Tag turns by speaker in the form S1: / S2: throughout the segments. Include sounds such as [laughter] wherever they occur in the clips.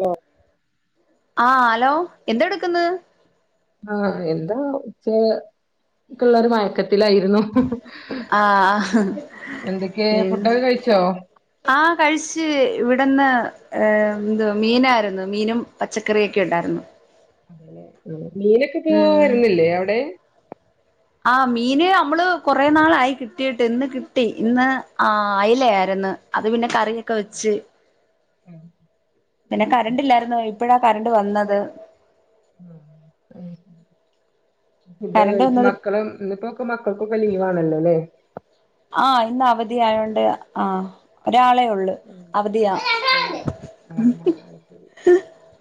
S1: Law
S2: ആഹ് hello എന്ത എട്ക്ക്‌ന്ന്
S1: ആഹ് എന്താ ഉച്ച പിള്ളേര് മഴക്കത്തിലായിരുന്നു
S2: ആഹ്
S1: എന്തൊക്കെ
S2: ഉം
S1: ഫുഡൊക്കെ കഴിച്ചോ
S2: ആ കഴിച്ച് ഇവിടെന്ന് ഏ ന്ത്‌ മീനാരുന്നു മീനും പച്ചക്കറിയൊക്കെ ഉണ്ടായിരുന്നു
S1: മീനൊക്കെ പ്പോ വരുന്നില്ലേ അവ്ടെ
S2: ആ മീന് അമ്മള് കൊറേ നാളായി കിട്ടിയിട്ട് ഇന്ന് കിട്ടി ഇന്ന് ആ അയിലെ അര് ന്ന് അത് പിന്നെ കറിക്കെ വെച്ച്
S1: ഉം
S2: പിന്നെ കരണ്ട് ഇല്ലാര്ന്നു ഇപ്പഴാ കരണ്ട് വന്നത്
S1: ആഹ് ഉം ഇത്
S2: കറണ്ട്
S1: കഴിച്ച്
S2: വന്നത്
S1: മക്കള് ന്ന് പ്പൊക്ക മക്കക്കൊക്ക ലീവ് ആണല്ലോ ല്ലേ
S2: ആഹ് ഇന്ന് അവധിയായോണ്ട് ആഹ് ഒരാളേ ഉള്ളു അവധിയാ
S1: ആ അശരി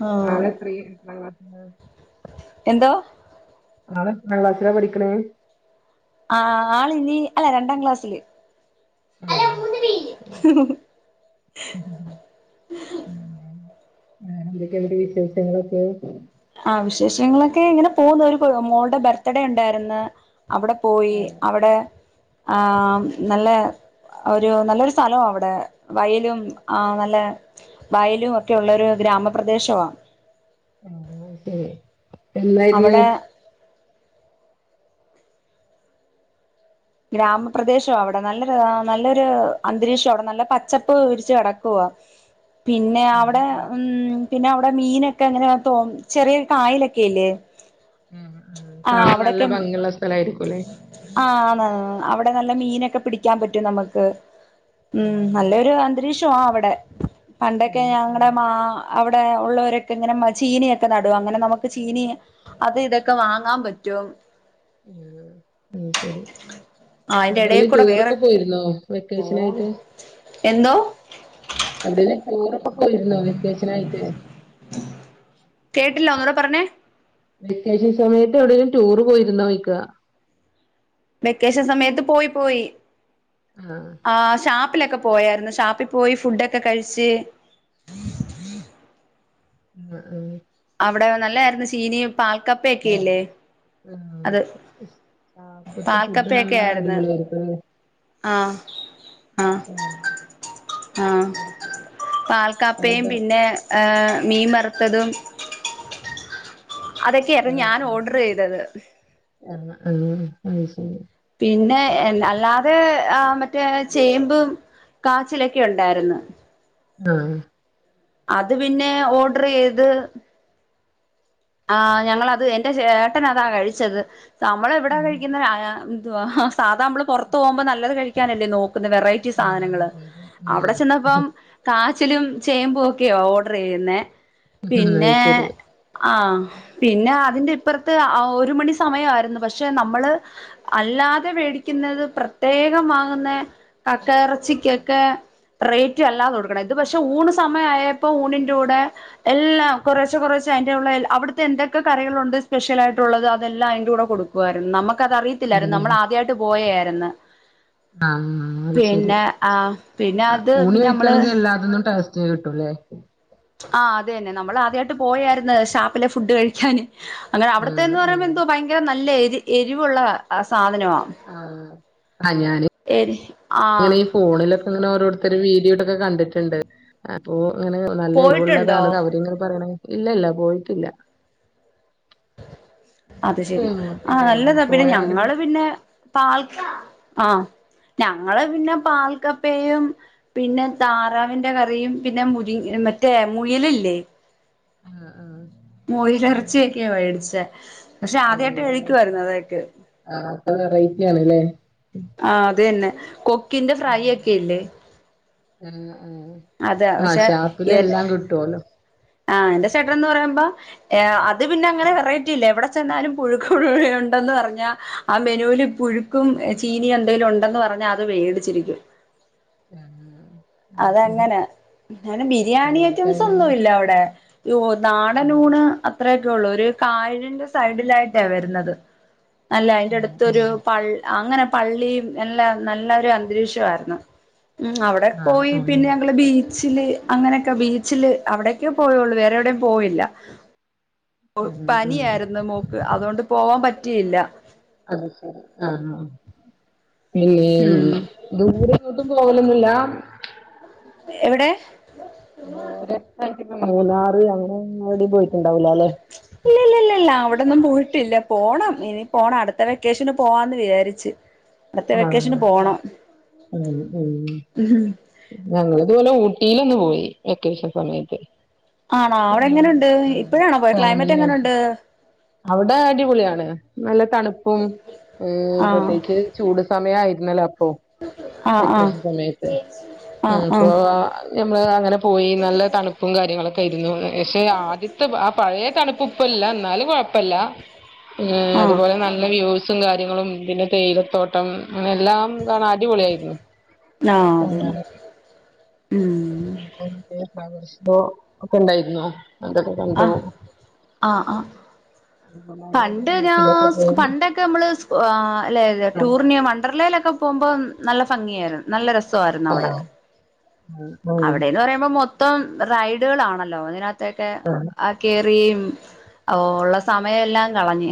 S2: ആഹ്
S1: ആളെത്രി
S2: എന്തോ
S1: ആളെത്ര ക്ലാസ്സിലാ പഠിക്ക്‌ണേ
S2: ആ ആള്നി അല്ല രണ്ടാം ക്ലാസ്സില്
S1: ആഹ് ആ എന്തൊക്കെ ണ്ട് വിശേഷങ്ങളൊക്കെ
S2: ആ വിശേഷങ്ങളൊക്കെ ഇങ്ങനെ പോവുന്നു ഒര് മോൾടെ ബർത്ത്ഡേ ഉണ്ടായിര്ന്ന് അവിടെ പോയി
S1: ആഹ്
S2: അവിടെ ആം നല്ലേ ഒരു നല്ലൊരു സ്ഥലൊവ അവ്ടെ വയലും ഒക്കെ ഉള്ളൊരു ഗ്രാമ പ്രദേശമ
S1: ഉം എന്നായിരുന്നു
S2: അവിടെ ഗ്രാമപ്രദേശൊവാ അവ്ടെ നല്ലൊരു നല്ലൊരു അന്ത് പിന്നെ അവിടെ ഉം പിന്നെ അവ്ടെ മീനൊക്കെ ങ്ങനെ തോം ചെറിയൊര് കാ
S1: കാണാൻ നല്ല ഭംഗിയുള്ള സ്ഥലമായിരിക്കും
S2: ആ ആന്ന് അവിടെ നല്ല മീനൊക്കെ പിടിക്കാ പറ്റും നമക്ക് ഉം നല്ലൊരു അന്തരീക്ഷോവാ അവിടെ പണ്ടൊക്കെ
S1: ഉം
S2: ഞങ്ങടെ മാ അവിടെ ഉള്ളവരൊക്കെ ങ്ങനെ ചീനിയൊക്കെ നടു അങ്ങനെ നമുക്ക് ചീനി അത് ഇതൊക്കെ വാങ്ങാ പറ്റും ടും
S1: ആ ഉം ശരി
S2: ആഹ് അയിന്റെ എടേ
S1: എവ്ടേലും
S2: കൂടെ വേറെ
S1: ടൂറൊക്കെ പോയിരുന്നോ വെക്കേഷനായിട്ട്
S2: എന്തോ
S1: എവ്ടെന്ന് ടൂറൊക്കെ പോയിര്ന്നോ വെക്കേഷനായിട്ട്
S2: കേട്ടില്ല ഒന്നൂട പറഞ്ഞേ
S1: വെക്കേഷൻ സമയത്ത് എവിടേലും ടൂറ് പോയിരുന്നോ ഒയ്ക്ക
S2: വെക്കേഷൻ സമയത്ത് പോയി പോയി
S1: ആഹ്
S2: ആ ഷാപ്പിലൊക്കെ പോയായിരുന്നു. ഷാപ്പിൽ പോയി ഫുഡൊക്കെ കഴിച്ച്
S1: ഉ ഉം
S2: അവിടെ നല്ലായിരുന്നു ചീനയും പാൽക്കപ്പൊക്കെയില്ലേ
S1: ഇപ്പത്തെ ഫുഡ് നല്ല അടിപൊളിയായിരുന്നു
S2: ആ ആ ആ
S1: അത് ശരി
S2: പാൽക്കാപ്പയും
S1: ഏത്
S2: പിന്നെ മീൻ വറുത്തതും അതൊക്കെയരുന്നു ഞാൻ ഓർഡർ ചെയ്തത്.
S1: ആഹ ആഹ അഹ് ശരി
S2: പിന്നെ അല്ലാതെ ആ മറ്റേ ചേമ്പും കാച്ചിലൊക്കെ ഉണ്ടായിരുന്ന്
S1: ആഹ
S2: അത് പിന്നെ ഓർഡർ ചെയ്ത് ആ ഞങ്ങളത് എന്റെ ചേട്ടനതാ കഴിച്ചത്. നമ്മളെ ഇവിടാ
S1: ഉം
S2: കഴിക്കുന്ന അ ആ സാധാരണ നമ്മൾ പുറത്ത് പോകുമ്പോ നല്ലത് കഴിക്കാനല്ലേ നോ വെറൈറ്റി
S1: ആഹ്
S2: സാധനങ്ങൾ.
S1: അതെ അതെ
S2: അവിടെ
S1: ഉം
S2: ചെന്നപ്പോ കാ ച്ചിലും ചേമ്പൂ ഒക്കെയ ഓർഡർ ചെയ്യുന്നെ
S1: ഉ അഹ് ശരി
S2: ആ പിന്നെ അതിന്റെ ഇപ്പറത്ത് ഒരു മണി സമയമായിരുന്നു പക്ഷെ നമ്മള് അല്ല ല്ലാതെ മേടിക്കുന്നത് പ്രത്യേകം വാങ്ങുന്ന കക്ക ഇറച്ചിക്കൊക്കെ റേറ്റ് അല്ലാതെ കൊടുക്കണം, ഇത് പക്ഷെ ഊണ് സമയയപ്പോ ഊണിന്റെ കൂടെ എല്ലാം കുറേശെ കുറേശെ അവിടുത്തെ എന്തൊക്കെ കറികളണ്ട് സ്പെഷ്യൽ ആയിട്ടുള്ളത് അതെല്ലാം അതിന്റെ കൂടെ കൊടുക്കുയിരുന്നു. നമുക്ക് അതറിയത്തില്ലായിരുന്നു നമ്മൾ ആദ്യമായിട്ട് പോയായിരുന്നു.
S1: ആഹ ആ അത് ശരി,
S2: പിന്നെ ആ പിന്നെ
S1: ആ
S2: അത്
S1: ഊണ്
S2: പിന്നെ നമ്മള്
S1: കഴിക്കയാണെങ്കിൽ എല്ലാതൊന്നും ടെസ്റ്റ്‌ കിട്ടൂല്ലേ
S2: ആഹ അത തന്നെ നമ്മൾ ആദ്യമായിട്ട് പോയായിരുന്നു ഷാപ്പിലെ ഫുഡ് കഴിക്കാന് അങ്ങനെ
S1: ആഹ്
S2: അവിടുത്തെന്ന് പറയുമ്പോ
S1: ആഹ്
S2: എന്തോ ഭയങ്കര നല്ല എരി എരിവുള്ള സാധന
S1: ആ ആ ഞാന്
S2: എരി ആ
S1: ഇങ്ങനെ ഫോണിലൊക്കെ ഇങ്ങനെ ഓരോരു ഇ ഒരു വീഡിയോട്ടൊക്കെ കണ്ടിട്ടുണ്ട് അപ്പോ ഇങ്ങനെ നല്ല
S2: പോയിട്ടുണ്ടോ
S1: എരിവുള്ളതാണത് അവരിങ്ങനെ പറയണ ഇല്ല ഇല്ല പോയിട്ടില്ല
S2: അത് ശരി
S1: ഉം,
S2: ആ
S1: പിന്നെ ഇനി
S2: നല്ലതാ പിന്നെ
S1: പോയാലും
S2: ഞങ്ങള് പിന്നെ പാൽ ആഹ ഞങ്ങള് പിന്നെ പാൽക്കപ്പയും പിന്നെ താറാവിന്റെ കറിയും പിന്നെ മുരി മറ്റേ മുയലില്ലേ
S1: അ അ
S2: മുയലിറച്ചിയൊക്കെയ മേടിച്ച
S1: ആ ആ അപ്പ വെറൈറ്റി ആണല്ലേ
S2: ആ അത് തന്നെ കൊക്കിന്റെ ഫ്രൈ ഒക്കെല്ലേ
S1: ആഹ് ആഹ്
S2: അതെ
S1: ആഹ്
S2: പക്ഷെ
S1: ഷാപ്പില് എല്ലാം കിട്ടുവല്ലോ
S2: ആ എന്റെ ചേട്ടൻ എന്ന് പറയുമ്പോ അത് പിന്നെ അങ്ങനെ വെറൈറ്റി ഇല്ലേ എവിടെ ചെന്നാലും പു [unintelligible] ന്ന് പറഞ്ഞാ ആ മെനുവിൽ പുഴുക്കും ചീനിയും എന്തെലും ഉണ്ടെന്ന് പറഞ്ഞാൽ അത് വേടിച്ചിരിക്കും. [inaudible]
S1: [inaudible] ശരി
S2: അതെങ്ങനെ, ന്നാലും ബിരിയാണി
S1: ചെലോൽക്ക്
S2: ഐറ്റംസ്
S1: അതൊന്നും
S2: ഒന്നും ഇല്ല അവിടെ അയ്യോ നാടനൂണ് അത്രയൊക്കെ ഉള്ളൂ, ഒരു കായലിന്റെ സൈഡിലായിട്ടാ വരുന്നത് അല്ല അതിന്റെ അടുത്തൊരു
S1: ഇഷ്
S2: പള്ളി അങ്ങനെ പള്ളിയ എല്ലാം നല്ല ഒരു അന്തരീക്ഷമായിരുന്നു ഉ അവിടെ
S1: ആഹ്
S2: പോയി
S1: ആഹ് ആഹ്
S2: പിന്നെ ഞങ്ങള് ബീ ച്ചില് അങ്ങനെയൊക്കെ ബീച്ചില് അവിടെക്കെ പോയുള്ളൂ വേറെ എവിടെയും പോയില്ല. ഒ
S1: ആഹ് ആഹ് ആഹ്
S2: പനിയായിരുന്നു മോക്ക് അതുകൊണ്ട് പോവാൻ പറ്റിയില്ല.
S1: അത്ശരി ആഹ് ആഹ് ഇല്ല്യം
S2: ഉം
S1: ദൂരെങ്ങോട്ടും പോകലൊന്നുല്ലാം
S2: എവിടെ
S1: ദൂരെസ്ഥലത്ത്ക്ക് മൂന്നാറ് അങ്ങനൊടി പോയിട്ടുണ്ടാവൂലല്ലേ
S2: ല്ല അവിടൊന്നും പോയിട്ടില്ല പോണം ഇനി പോണം അടുത്ത വെക്കേഷന് പോവാന്ന് വിചാരിച്ച് അത്തെ വെക്കേഷന് പോണം
S1: ഉ
S2: ഉം
S1: ഞങ്ങൾ ഇതുപലെ ഊട്ടിയിലൊന്ന് പോയി വെക്കേഷൻ സമയത്ത്
S2: ആണോ അവിടെ
S1: ഉം
S2: എങ്ങനുണ്ട്
S1: ഉം
S2: ഇപ്പഴാണോ പോയ ക്ലൈമറ്റ്
S1: ഫാമിലിയായിട്ട്
S2: എങ്ങനുണ്ട്
S1: അവിടെ അടിപൊളിയാണ് നല്ല തണുപ്പും ഏ
S2: ആഹ്
S1: പ്രത്യേകിച്ച് സമയായിരുന്നല്ലേ അപ്പൊ
S2: ആഹ് ആഹ്
S1: വെക്കേഷൻ സമയത്ത്
S2: ആഹ്
S1: ഉം
S2: ആഹ്
S1: പോവാ ഞമ്മള് അങ്ങനെ പോയി നല്ല തണുപ്പും കാര്യങ്ങളൊക്കെയിരുന്നു പക്ഷേ ആദ്യ ത്തെ ആ പഴേ തണുപ്പ് ഇപ്പല്ല എന്നാലും കൊഴ് പ്പല്ല
S2: ആഹ്
S1: അതുപോലെ നല്ല വ്യൂസും കാര്യങ്ങളും പിന്നെ തേയിലത്തോട്ടം അങ്ങനെ എല്ലാംത അടിപൊളിയായിരുന്നു
S2: ആഹ് അതന്നെ ഉം
S1: [unintelligible] ഫ്ലവർ ഷോ ഒക്കെണ്ടായിരുന്നോ
S2: അഹ് ആഹ് ആഹ്
S1: അടിപൊളിയാ
S2: പണ്ട് ഞാ സ് പണ്ടൊക്കെ നമ്മള് സ് ആ അല്ലെ
S1: ആഹ്
S2: ടൂറിന് വണ്ടർലേയിലൊക്കെ പോകുമ്പം നല്ല ഭംഗിയായിരുന്നു നല്ല രസവായിരുന്നു അവിടെ
S1: ആഹ്
S2: അവിടെന്ന് പറയുമ്പോ മൊത്തം റൈഡുകളൾാണല്ലോ അതിനകത്തൊക്കെ
S1: ആഹ്
S2: ആ കേ ഉള്ള സമയം എല്ലാം കളിഞ്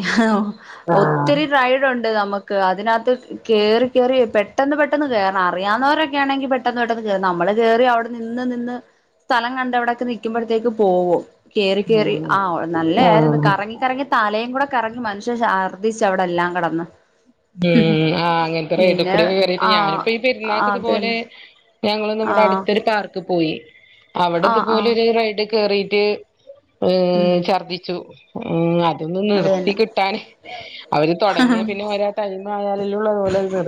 S1: ആഹ്
S2: ഒത്തിരി ഡണ്ട് [unintelligible] ട് നമുക്ക് അതിനകത്ത് കേറി കേറി പെട്ടെന്ന് പെട്ടെന്ന് കേറാൻ അറിയാവുന്നവരൊക്കെ ആണെങ്കി പെട്ടെന്ന് പെട്ടെന്ന് നമ്മള് കേറി അവിടെ നിന്ന് നിന്ന് സ്ഥലം കണ്ട് അവിടൊക്കെ നിക്കുമ്പഴത്തേക്ക് പോകും കേറി കേറി ആഹ് നല്ലതായിരുന്നു
S1: ആഹ്
S2: കറങ്ങി കറങ്ങി തലയും കൂടെ കറങ്ങി മനുഷ്യൻ ശർ ർദ്ദിച്ചവിടെ എല്ലാം കെടന്ന്
S1: ഉം ആ അങ്ങനത്തെ റൈഡ്
S2: പിന്നെ
S1: കൂടി കറിട്ട്
S2: ആ
S1: ഞാനിപ്പ ഈ പെരുന്നാക്കതുപോലെ
S2: അതന്നെ
S1: പ്പെ ഞങ്ങള്ന്ന്
S2: ആ
S1: ഇവിടെ അടുത്തൊരു പാർക്ക് പോയി അവിടെ
S2: ആ ആ
S1: ഇതുപോലെ ഒരു റൈഡ് കേറിയിട്ട് ഈ ഛർദിച്ചു അതൊന്ന്
S2: അത്
S1: നിർത്തി
S2: തന്നെ
S1: കിട്ടാൻ അവര് തുടങ്ങിയ പിന്നെ ഒരാ ടൈം ആയാലള്ളതുപോലെ അത് നിർ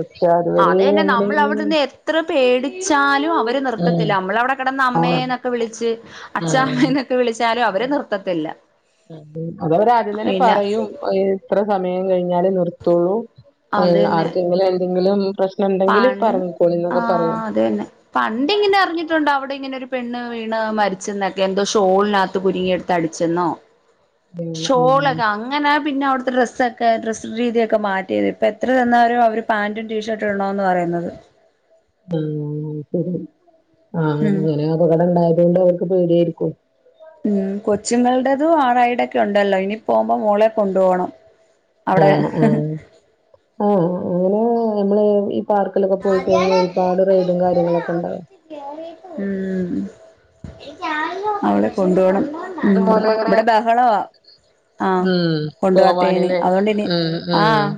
S2: അതേന്നെ നമ്മള് അവിടുന്ന് എത്ര പേടിച്ചാലും അവ് ഒരു
S1: ഉം
S2: നൃത്തത്തില്ല നമ്മള അവിടെ കിടന്ന
S1: ആഹ്
S2: അമ്മയന്നൊക്കെ വിളിച്ച്
S1: ആഹ്
S2: അച്ഛാമ്മന്നൊക്കെ വിളിച്ചാലും അവരെ നർത്തത്തില്ല
S1: അതവര് ആദ്യം തന്നെ പറയും എത്ര സമയം കഴിഞ്ഞാലേ നിർത്തുള്ളൂ
S2: അത്
S1: അത്‌
S2: തന്നെ
S1: ആർക്കെങ്കിലും എന്തെങ്കിലും പ്രശ്ന
S2: പൺ ആ അത് തന്നെ പണ്ട് ഇങ്ങനെ അറിഞ്ഞിട്ടുണ്ടാ അവിടെ ഇങ്ങനെ ഒരു പെണ് വീണ് മരിച്ചെന്നൊക്കെ എന്തോ ഷോളിനകത്ത് കുരുങ്ങിയ എടുത്ത് അടിച്ചെന്നോ
S1: ഉം ഉം
S2: ഷോളൊക്കെ അങ്ങനാ പിന്നെ അവിടുത്തെ ഡ്രസ് ഒക്കെ ഡ്രസ് രീതിയൊക്കെ മാറ്റിയത് ഇപ്പപ്പോ എത്ര തന്നാലരും അവ പാന്റും ടീഷർട്ടും [unintelligible] പറയുന്നത്
S1: ഉ ശരി ആ
S2: ഉം
S1: അങ്ങനെ അപ കടണ്ടായി അതുകൊണ്ട് അവർക്ക് പേടി ആയിരിക്കും
S2: ഉം കൊച്ചുങ്ങൾടേതും ആറൈടൊക്കെ ഉണ്ടല്ലോ ഇനി പോകുമ്പോ മോളെ കൊണ്ടു പോകണം
S1: ആഹ് ആഹ് ആഹ് അങ്ങനെ നമ്മള് ഈ പാർക്കിലൊക്കെ പോയിക്കഴി ഒരുപാട് റെയ്ഡും കാര്യങ്ങളൊക്കെ ഇണ്ടാവും
S2: ഉം അവടെ കൊണ്ട പോണം ഉ
S1: അതുപോലെ അങ്ങനെ
S2: ഇവിടെ ബഹളവാ ആഹ്
S1: ഉം
S2: കൊണ്ട് പോവാത്തെയ്ന്
S1: പോവാനില്ലേ
S2: അത്കൊണ്ടെയിനി
S1: ഉം ഉം
S2: ആഹ്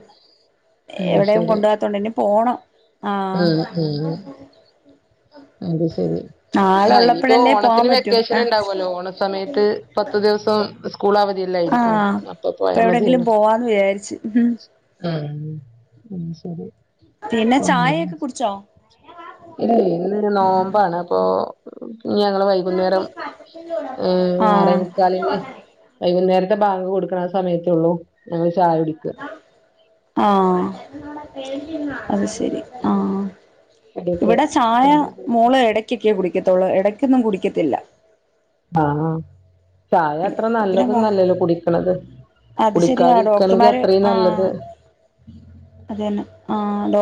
S2: എവിടെയും കൊണ്ട പോത്തോണ്ട് ഇനി പോണം ആഹ്
S1: മ് മ് അത്ശെരി
S2: ആള്
S1: ആ ഇനിപ്പോ
S2: ഉള്ളപ്പോഴല്ലേ പോവാൻ
S1: ഓണത്തിന്
S2: പറ്റൂ ആഹ്
S1: വെക്കേഷന്ണ്ടാവൊല്ലോ ഓണ സമയത്ത് പത്ത് ദിവസം സ്കൂളവധിയെല്ലായിരിക്കും
S2: ആഹ്
S1: അപ്പോ
S2: ഇപ്പൊ
S1: പോയാ
S2: എവിടെയെങ്കിലും
S1: മതിയല്ലോ
S2: പോവാന്ന് വിചാരിച്ച്
S1: ഉം ശെരി പിന്നെ
S2: ചായയൊക്കെ കുടിച്ചോ
S1: [unintelligible] നോമ്പാണ് അപ്പോ ഞങ്ങള് വൈകുന്നേരം ആറേ
S2: ആഹ്
S1: മുക്കാലിന്ന് വൈകുന്നേര ബാങ്ക് കൊട്ക്ക്ണ സമയത്തോള്ളൂ ഞങ്ങള് ചായ കുടിക്ക
S2: ആ അത്ശെരി ആ
S1: കടിയൊക്കെ
S2: ഇവിടെ ചായ മോള് എടക്കൊക്കെ കുടികോ ത്തൊള്ളു ഇടയ്ക്കൊന്നും കുടിക്കത്തില്ല
S1: ആ ഹാ ചായ അത്ര
S2: പിന്നെ വാ
S1: നല്ലതൊന്നല്ലല്ലോ കുടിക്ക്ണത്
S2: അത്
S1: കുടിക്കാതിരിക്കണെങ്കി അത്രേം നല്ലത്
S2: അത് ന്നെ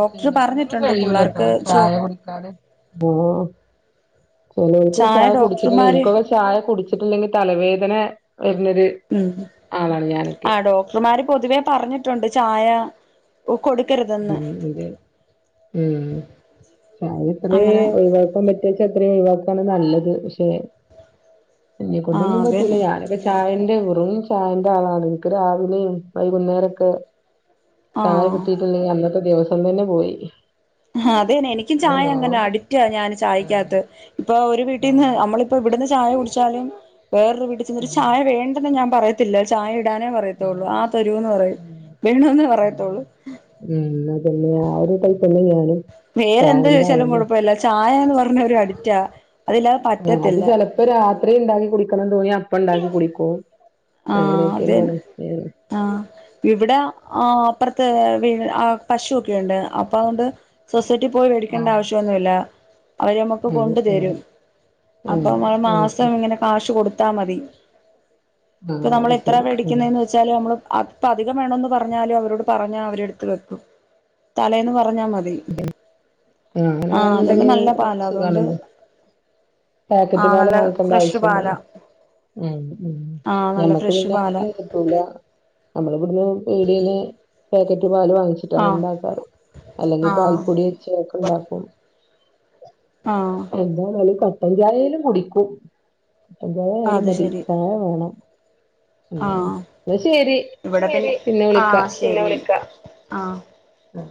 S1: ക്ഷെ ന്നെക്കൊണ്ടൊന്നും കയ്യൂലട്ടോ
S2: ചോ
S1: ചായ കുടിക്കാതെ ഓ ചെലോല്ക്കും ചായ കുട്ച്ചിട്ടില്ലേ ന്ക്കൊക്കെ ചായ കുട്ച്ചിട്ടില്ലെങ്കി തലവേദന വെര്ണൊര്
S2: ഉം
S1: ആളാണ് ഞാനൊക്കെ
S2: ആഹ് ഡോക്ടർമാര് പൊതുവേ പറഞ്ഞിട്ടുണ്ട് ചായ കൊടുക്കരുതെന്ന്
S1: മ്മ് അതെ മ്മ് ചായത്രേ
S2: അങ്ങനെ
S1: ഒഴിവാക്കാൻ പറ്റെത്ര അത്രമ് ഒഴിവാക്കാണ് നല്ലത് ക്ഷെ
S2: ആഹ്
S1: ഞ്ഞെക്കോണ്ടൊന്നും പറ്റൂല
S2: അതന്നെ
S1: ഞാനൊക്കെ ചായന്റെ വെറും ചായന്റെ ആളാണ് ൻക്ക് രാവിലിം വൈകുന്നേരൊക്കെ
S2: ആ
S1: ചായ കിട്ടിയിട്ടില്ലെങ്കിൽ അന്നത്തെ ദിവസം തന്നെ പോയി
S2: അതെന്നെ എനിക്കും
S1: പിന്നെ
S2: ചായ അങ്ങനെ
S1: നോമ്പ്
S2: അഡിറ്റാ ഞാന് ചായക്കകത്ത് ഇപ്പോ ഒരു വീട്ടീന്ന് നമ്മളിപ്പോ ഇവ്ട്ന്ന് ചായ കുടിച്ചാലും വേറൊരു വീട്ടിൽ ചെന്നിട്ട് ചായ വേണ്ടെന്ന് ഞാ പറയത്തില്ല ചായ ടാനേ പറയത്തൊള്ളൂ ആ തരൂന്ന് പറയും വേണംന്ന് പറയത്തൊള്ളൂ
S1: അ ഒരു ടൈപ്പെന്നെ ഞാനും
S2: വേറെന്ത്
S1: ചായന്റെ
S2: ചോയ്ച്ചാലും
S1: ആളന്നെ
S2: കൊഴ്പ്പല്ല ചായാന്ന് പറഞ്ഞ ഒരടിറ്റാ
S1: ആ അത് ചെലപ്പോ രാത്രിണ്ടാക്കി കുടിക്കണം തോന്നിയാ അപ്പണ്ടാക്കി കുടിക്കും
S2: ആ അതെൻ
S1: അങ്ങനെയൊക്കെന്നെയാണ്
S2: ആ ഇവിടെ ആ അപ്പർത്തെ പശൊക്കെണ്ട് അപ്പൊ അതൊണ്ട് സെറ്റ് പോയി
S1: ആ
S2: മേടിക്കണ്ട ആവശ്യന്നുല്ല അവരമ്മക്ക്
S1: ഉം ഉം
S2: കൊണ്ട്തരും അപ്പോ
S1: ആഹ് അത് ശരി
S2: മാസംങ്ങനെ കാശ് കൊടു ത്താമതി ഇപ്പ
S1: ആഹ് അത്
S2: നമ്മള് എത്രെ
S1: ശരി ഉം
S2: മേടിക്കുന്നേന്ന് വെച്ചാല് നമ്മള് പ്പോ അധികം വേണന്ന് പറഞ്ഞാലും അവരോട് പറഞ്ഞാ അവരെടുത്ത് വെക്കും തലേന്ന് പറഞ്ഞാ മതി ആഹ് അതുകൊണ്ട്
S1: അങ്ങനെണ്ന്ന്ണ്ടെങ്കി
S2: നല്ല
S1: അത്
S2: പാലാ അതുകൊണ്ട്
S1: സുഖാണല്ലോ പേക്കറ്റ്
S2: ആഹ്
S1: പാല്
S2: നല്ല
S1: വാങ്ങിക്കേണ്ട
S2: ഫ്രഷ് പാലാ
S1: ആവശ്യല്ലല്ലോ മ് മ്
S2: ആഹ് നല്ല
S1: നമ്മക്ക്
S2: ഫ്രഷ്
S1: പിന്നെ
S2: പാലാ
S1: [unintelligible] പാല് വാങ്ങിച്ചിട്ടാണ്
S2: ആഹ്
S1: ഉണ്ടാക്കാറ് അല്ലെങ്കിൽ
S2: ആഹ്
S1: പാൽപ്പൊടി വെച്ചൊ ഉണ്ടാക്കും
S2: ആഹ്
S1: എന്തായാലും കട്ടൻചായേലും കുടിക്കും ട്ടൻ ചായായാലും മതി ചായ വേണം
S2: ആ
S1: ഉം എന്നാ ശരി
S2: ഇവിടെ പിന്നെ ആ ശെരി ആ
S1: ആ.